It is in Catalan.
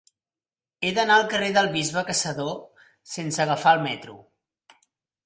He d'anar al carrer del Bisbe Caçador sense agafar el metro.